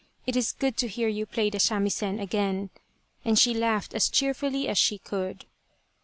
It is good to hear you play the samisen again," and she laughed as cheerfully as she could.